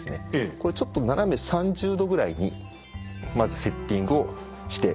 これちょっと斜め３０度ぐらいにまずセッティングをしてください。